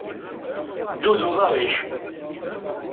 Ddu d uḍaṛ-ik!